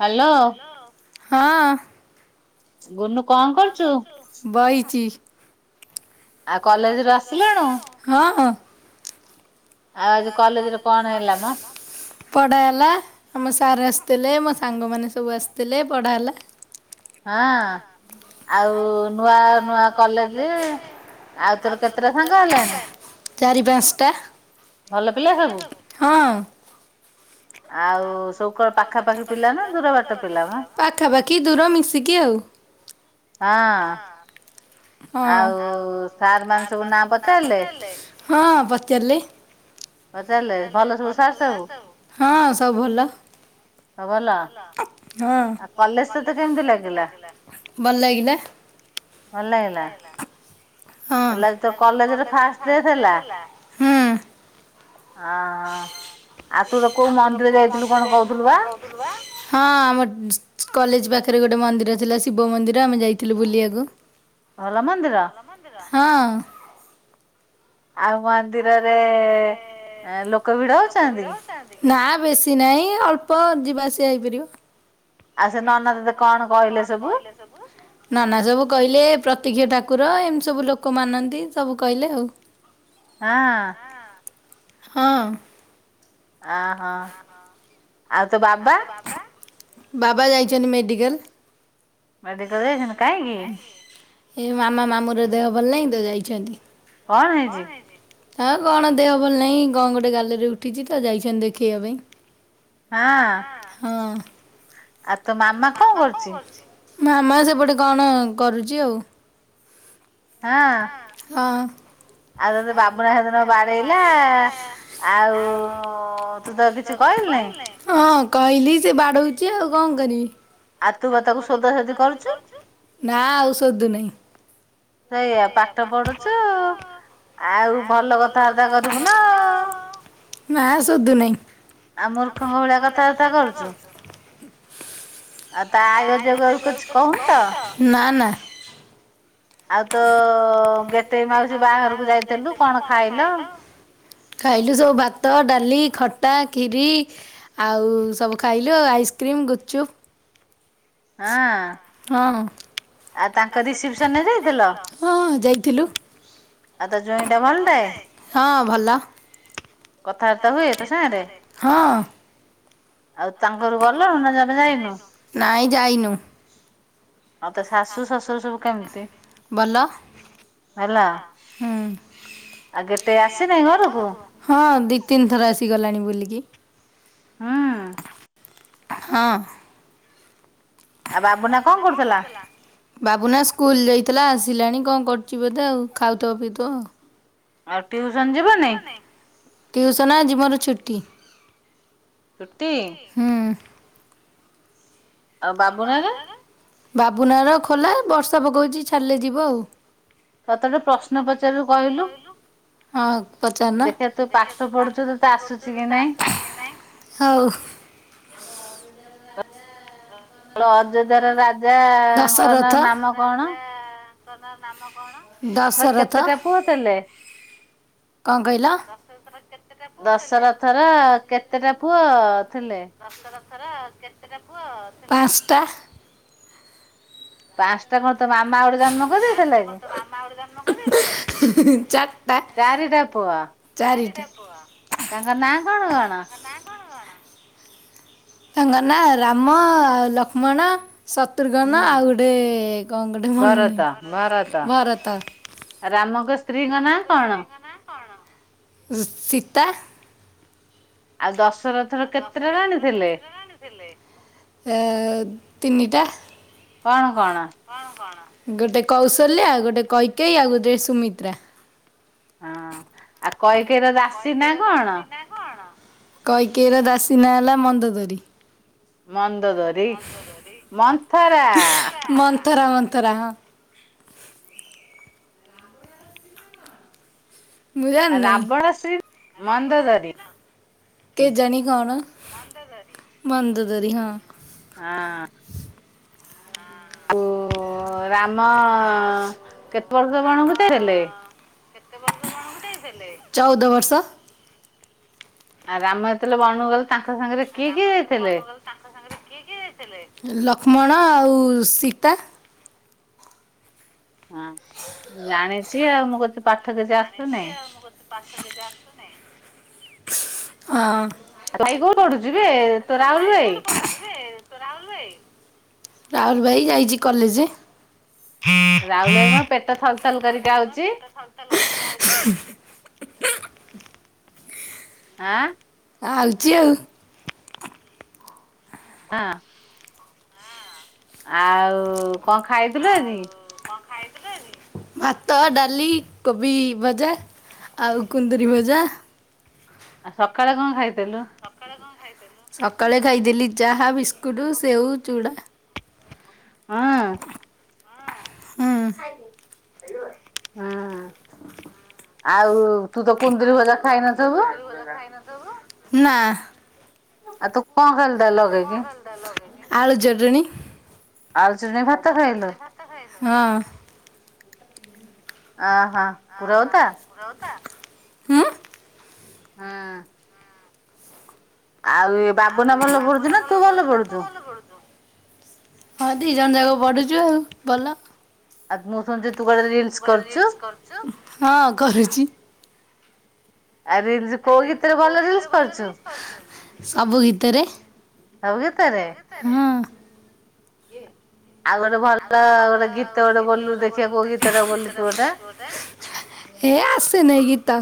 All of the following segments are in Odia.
ହ୍ୟାଲୋ। ହଁ। ଗୁନୁ ବଇଚି। ହଁ ହଁ। ପଢା ହେଲା ଆମ ସାର ଆସିଥିଲେ। ସାଙ୍ଗମାନେ ସବୁ ଆସିଥିଲେ ପଢ଼ା ହେଲା। ହଁ ଆଉ ନୂଆ ନୂଆ କଲେଜ ଆଉ ତୋର କେତେଟା ସାଙ୍ଗ ହେଲାଣି? ଚାରି ପାଞ୍ଚଟା। ହଁ। ଆଉ ସବୁ କଣ ପାଖାପାଖି ପିଲା ନା ଦୂର ବାଟ ପିଲା ମ? ହଁ। ହଁ। ହଁ ପଚାରିଲେ। ହଁ ସବୁ ଭଲ। ହଁ। ଭଲ ଲାଗିଲା। ଭଲ ଲାଗିଲା? ତାହେଲେ ଆଜି ତୋ କଲେଜରେ ଫାଷ୍ଟ ଡେ ଥିଲା। ଅ ହଁ। ହଁ ଆମ କଲେଜ ପାଖରେ ଗୋଟେ ଗୋଟେ ମନ୍ଦିର ଥିଲା ଶିବ ମନ୍ଦିର ଆମେ ଯାଇଥିଲୁ ବୁଲିବାକୁ। ଭଲ ମନ୍ଦିର? ହଁ। ଆଉ ମନ୍ଦିରରେ ଲୋକ ଭିଡ ହଉଛନ୍ତି? ନା ବେଶୀ ନାହିଁ ଅଳ୍ପ ଯିବା ଆସିବା ହେଇପାରିବ। ନନା ସବୁ କହିଲେ ପ୍ରତକ୍ଷ ଠାକୁର। କୁର ଏମିତି ସବୁ ଲୋକ ମାନନ୍ତି ସବୁ କହିଲେ ଆଉ। ହଁ। ଆ ହ ଆଉ ତୋ ବାବା? ବାବା ଯାଇଛନ୍ତି ମେଡ଼ିକାଲ। ଏଇ ମାମା ମାମୁ ର ଦେହ ଭଲ ନାହିଁ ତ ଯାଇଛନ୍ତି। ହଁ କଣ ଦେହ ଭଲ ନାହିଁ କଣ ଗୋଟେ ଗାଲରେ ଉଠିଛି ତ ଯାଇଛନ୍ତି ଦେଖେଇବା ପାଇଁ। ହଁ ଆଉ ତୋ ମାମା କଣ କରୁଛି? ମାମା ସେପଟେ କଣ କରୁଛି ଆ। ହଁ। ଆଉ ତତେ ବାବୁନା ସେଦିନ ବାଡେଇଲା ଆଉ ତୁ ତାକୁ କିଛି କହିଲୁ ହଁ କହିଲି ସେ ବାଡଉଛି ଆଉ କଣ କରିବି? ନା ଆଉ ଶୋଧୁ ନାହିଁ। ସେଇଆ ପାଠ ପଢୁଛୁ? ଆଉ ଭଲ କଥାବାର୍ତ୍ତା କରିବୁ ନା ଆଉ। ଆଉ ମୂର୍ଖଙ୍କ ଭଳିଆ କଥାବାର୍ତ୍ତା କରୁଛୁ। ନା ନା। ଆଉ ତ ଗେଟେଇ ମାଉସୀ ବାହାଘରକୁ ଯାଇଥିଲୁ କଣ ଖାଇଲ? ଖାଇଲୁ ସବୁ ଭାତ ଡାଲି ଖଟ ଖଟା ଖିରି ଆଉ ସବୁ ଖାଇଲୁ ଆଉ ଆଇସ୍କ୍ରିମ୍ ଗୁପଚୁପୁ। ହଁ ଆଉ ତାଙ୍କ ରିସିପସନରେ ଯାଇଥିଲ? ଆ ତା ଜ୍ୱାଇଁ ଟେ ଭଲଟେ? ଭଲ। କଥାବାର୍ତ୍ତା ହୁଏ ତୋ ସାଙ୍ଗରେ ହଁ। ନାଇଁ ଯାଇନୁ। ତୋ ଶାଶୁ ଶଶୁର ସବୁ କେମିତି ଭଲ ହେଲା ହୁଁ ଦେଟେଇ ଆସି ନାହିଁ ଘରକୁ ହଁ ଦି ତିନ ତିନି ଥର ଆସିଗଲାଣି ବୁଲିକି ହୁଁ ହଁ ବାବୁନା କଣ କରୁଥିଲା ବାବୁନା ସ୍କୁଲ ଯାଇଥିଲା ଆସି ଆସିଲାଣି କଣ କରୁଛି ବୋଧେ ଆଉ ଖାଉଥିବ ପିଉଥିବ ଆଉ । ଆ ଟିଉସନ ଯିବନି ଟିଉସନ ଆଜି ମୋର ଛୁଟି ଛୁଟି ଆଉ ବାବୁନାର ବାବୁନାର ଖୋଲା ବର୍ଷା ପକଉଛି ଛାଡିଲେ ଯିବ ଆଉ ତତେ ଗୋଟେ ପ୍ରଶ୍ନ ପଚାରିଲୁ କହିଲୁ ଦେଖେଆ ତୁ ପାଠ ପଢୁଛୁ ତତେ ଆସୁଚି କି ନାଇଁ ହଉ ହିଲୁ ଅଯୋଧ୍ୟାର ରାଜାଙ୍କ ନାମ କଣ? ତୋର ନାମ କଣ? ଆ କେତେଟା ପୁଅ ଥିଲେ ଦଶରଥର ଅ କେତେଟା ପୁଅ ଅ ଥିଲେ ଦଶଥର କେତେଟା ପୁଅ ଥିଲେ ପାଞ୍ଚଟା ପାଞ୍ଚଟା କଣ ତ ମାମା ଗୋଟେ ଜନ୍ମ କରିଦେଇଥିଲା କି ମାମା ଗୋଟେ ଜନ୍ମ କରିଦେଇଥିଲା ଚାରିଟା ଚାରିଟା ତାଙ୍କ ନା କଣ କଣ? ତାଙ୍କ ନାଁ ରାମ ଅ ଲକ୍ଷ୍ମଣ ଶତୃଘନ ଆଉ ଗୋଟେ କଣ ଗୋଟେ ମନ ନାହିଁ ଭରତ ଭରତ ରାମଙ୍କ ସ୍ତ୍ରୀଙ୍କ ନାଁ କଣ? ସୀ ସୀତା ଆଉ ଦଶ ଆଉ ଦଶରଥର କେତିଟା ରାଣୀ ଥିଲେ ଏ ଏ ତିନିଟା କଣ କଣ? ଗୋଟେ କୌଶଲ୍ୟା ଆଉ ଗୋଟେ କୈକେଇ ଆଉ ଗୋଟେ ସୁମିତ୍ରା ହଁ ଆଉ କହି ଆଉ କୈକେଇର ଦାସୀ ନାକଣ କୈକେଇର ଦାସୀ ନା ହେଲା ମନ୍ଦଦୋରି । ମନ୍ଦଦୋରି ମନ୍ଥରା ମନ୍ଥରା ହଁ ମୁଜାଣିନାଇ ରାବଣ ସ୍ତ୍ରୀ ନାଁ କଣ କେଜାନି କଣ ମନ୍ଦ ଦରି ମନ୍ଦ ଦରି ହଁ ଓ ରାମ କେତେ ବର୍ଷ ବଣକୁ ଯାଇଥିଲେ? କେତେ ବର୍ଷ ବଣକୁ ଯାଇଥିଲେ ଚଉଦ ବର୍ଷ ରାମ ଯେତେବେଳେ ବଣକୁ ଗଲେ ତା ରାମ ଯେତେବେଳେ ବଣକୁ ଗଲେ ତାଙ୍କ ସାଙ୍ଗରେ କିଏ କିଏ ଯାଇଥିଲେ ଲକ୍ଷ୍ମଣ ଆଉ ସୁୁସିତା ହଁ ଜାଣିଛି ଆଉ ମୁଁ କେ ପାଠ କିଛି ଆ ଜାଣିଛି ଆଉମୁ କହୁଛି ପାଠ କିଛି ଆସୁନାହି ହଁ ଭାଇ କୋଉଠି ପଡୁଛିବେ ତୋ ରାହୁଲ ଭାଇ ରାହୁଲ ଭାଇ ଯାଇଛି କଲେଜ ରାହୁଲ ଭାଇ କଣ ପେଟ ଥଲ ଥଲ କରିକି ପେଟ ଥଲ ଥଲ କରି [unintelligible] ଆଁ ଆ ଆଉଛି ଆଉ ହଁ ଆଉ କଣ ଖାଇଥିଲୁ ଆଜି? ଖାଇଥୀଲୁ ଆଜି ଭାତ, ଡାଲି, କୋବି ଭଜା, ଆଉ କୁନ୍ଦରିୀ ଭଜା। ଆଉ ସକାଳେ କଣ ଖାଇଥିଲୁ? ସକାଳେ ଖାଇଥିଲି ଚାହା, ବିସ୍କୁଟ, ସେଉ, ଚୁଡ଼ା। ହ ହୁଁ। ଆଁ। ଆଉ ତୁ ତ କୁନ୍ଦୁରି ଭଜା ଖାଇନ ଥବୁ? ନା। ଆଉ ତୁ କଣ ଖାଇଲୁ? ଆଉ ତୁ କଣ ଖାଇଥିଲୁ ତାହେଲେ? [unintelligible] ଆଳୁ ଚଟଣି ଭାତ ଖାଇଲୁ? ଆ ଉଁ? ହଁ। ଆଉ ବାବୁନା ଭଲ ପଢୁଚି ନା ତୁ ଭଲ ପଢୁଚୁ? ଦି ଜଣ ଯାକ ପଢୁଚୁ ଆଉ ଭଲ। ଆଉ [unintelligible] ତୁ କଣ ରିଲସ କରୁଚୁ? ଆରେ ତୁ କୋଉ ଗୀତରେ ଭଲ ରିଲସ କରୁଚୁ? ସବୁ ଗୀତରେ? ଏ ଆଉ ଗୋଟେ ଭଲ ଗୋଟେ ଗୀତ ଗୋଟେ ବଲିଲୁ ଦେଖିବା କୋଉ ଗୀତ ଟା ବୋଲୁଚୁ ଗୋଟା? ଏ ଆସି ନେଇ ଗୀତ।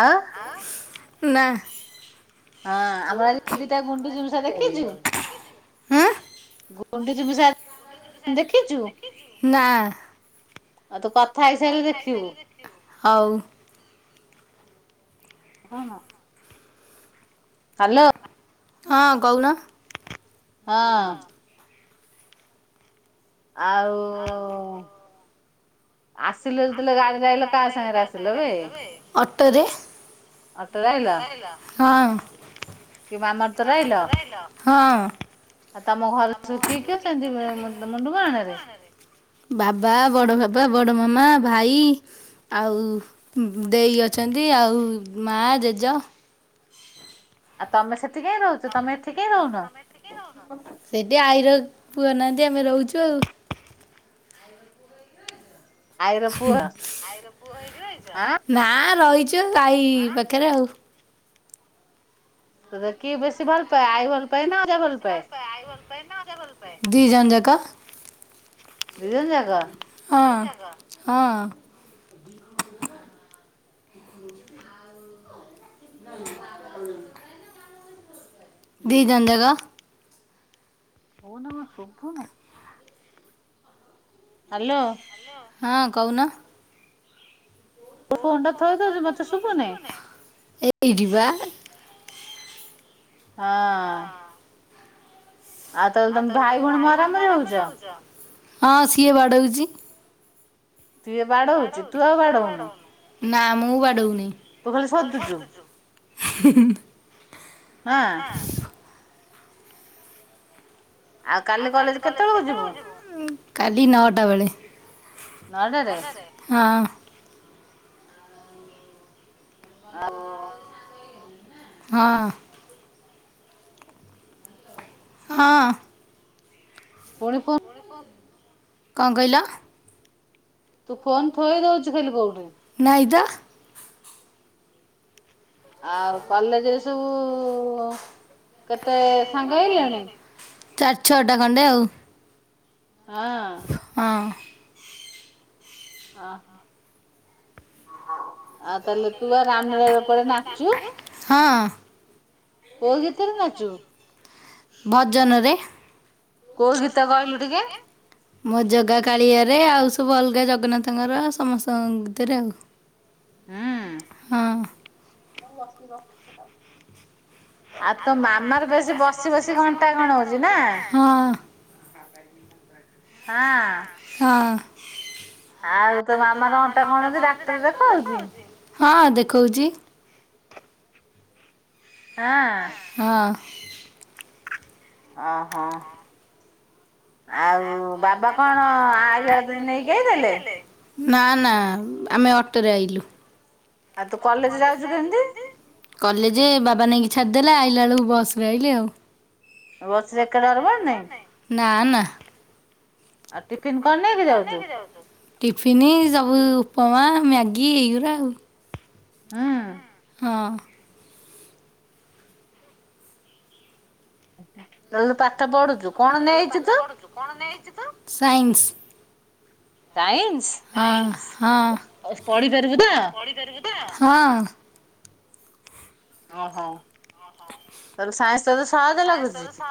ଆଉ ନା। ହଁ ଆମର ଆଜି ଦିିଟା ଗୁଣ୍ଡୁଚି ମୂଷା ଦେଖିଚୁ? ଗୁଣ୍ଡୁଚି ମୁଷା ଦେଖିଚୁ ଆଉ ତୋ କତ୍ କଥା ହେଇସାରିଲେ ଦେଖିବୁ। ହଁ ହଁ। ହ୍ୟାଲୋ। ହଁ କହୁନ। ହଁ। ଆଉ ଆଉ ଅଟୋରେ। ହଁ। କି ମାମ ର ତୋର ଆଇଲ? ବାବା ବଡ ବା ବାବା, ବଡ଼ ମାମ, ଭାଇ। ଆଉ ଉଁ ଦେଇ ଅଛନ୍ତି ଆଉ ମା, ଜେଜ। ଆଉ ତମେ ସେଠି କାଇଁ ରହୁଚ। ତମେ ଏଠି କାହିଁ ରହୁନ? ସେଟି ଆଈ ର ପୁଅ ନାହାଁନ୍ତି ଆମେ ରହୁଚୁ ଆଉ। ଆଈ ର ପୁଅ ହେଇକି ରହିଚ? ଚୁ ଆଈ ପାଖରେ ଆଉ ତୋତେ କିଏ ବେଶି ଭଲ ପାଏ। ଆଈ ଭଲ ପାଏ ନା ଦି ଜଣ ଯାକ। ଦି ଜଣ ଯାକ? ହଁ ହଁ। [unintelligible] ଦି ଜଣ ଯାକ। ଫୋନ୍ କଣ ସୁଭୁ ନାଇଁ? ହ୍ୟାଲୋ। କଉନ। ଏ ଏଇଠି ବା। ହଁ। ଆଉ ତାହେଲେ ତମେ ଭାଇ ଭଉଣୀ ମରା, ମରି ହଉଛ। ହଁ ସିଏ ବାଡଉଛି। ତିଏ ବାଡ ଉଛି ତୁ ଆଉ ବାଡ ଉନୁ। ନା ମୁଁ ବାଡଉନି। ତୁ ଖାଲି ସଦ୍ଧୁଛୁ? ହଁ। କାଲି ନଅଟା ବେଳେ। ହଁ। ଆଉ। ହଁ। ହଁ। ପୁଣି କ କଣ କହିଲ? ତୁ ଫୋନ ଥୋଇ ଦଉଛୁ ଖାଲି କୋଉଠି। ଆଉ କଲେଜ୍ ରେ ସବୁ କେତେ ସାଙ୍ଗ ହେଇଲେଣି? ଚାରି ଛଅଟା ଖଣ୍ଡେ ଆଉ। ହଁ। ଓ ହ। ଆଉ ତାହେଲେ ତୁ ଆ ରାମ-ଉପରେ ନାଚୁ? କୋଉ ଘିତରେ ନାଚୁ? ଭଜନରେ। ମୋ ଜଗା କାଳିଆରେ। ଆଉ ସବୁ ଅଲଗା ଜଗନ୍ନାଥଙ୍କର ସମସ୍ତଙ୍କ ଗୀତରେ ଆଉ। ହଁ। ହଉ ବସିବ କଥା ଆଉ ତୋ ମାମାର ବେଶୀ ବସି ବସି ଘଣ୍ଟା ଗଣୁଛି ନା? ହଁ। ହଁ ଦେ କହୁଛି । ହଁ । ଓ ହୋ । ଆଉ ବାବା କଣ ଆଇଲା ବେଳେ ତତେ ନେଇକି ଆଇଥିଲେ? ନା ନା ଆମେ ଅଟୋରେ ଆଇଲୁ । କଲେଜ ବାବା ନେଇ କି ଛା ଛାଡିଦେଲେ ଆଇଲା ଆଳୁ ବସରେ ଆଇଲି ଆଉ । ବସ ରେ ଏକା ଡର ମାଡୁନି? ନା ନା । ଆ ଟି ଟିଫନ୍ ସବୁ ଉପମା, ମ୍ୟାଗି ଏଇଗୁଡ଼ା ଆଉ । ହୁଁ। ହଁ। ତୁ ହେଲେ ପାଠ ପଢୁଛୁ କଣ ନେଇଛୁ ତୁ? ଟାଇନ୍ । ହଁ, ହଁ, ହଁ । ଓ ହୋ । ତର ସାଇନ୍ସ ତୋର ସହଜ ଲାଗୁଛି ।